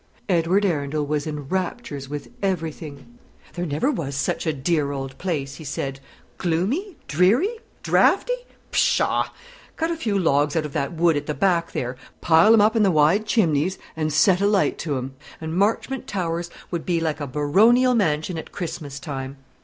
Edward Arundel was in raptures with everything. "There never was such a dear old place," he said. "'Gloomy?' 'dreary?' 'draughty?' pshaw! Cut a few logs out of that wood at the back there, pile 'em up in the wide chimneys, and set a light to 'em, and Marchmont Towers would be like a baronial mansion at Christmas time."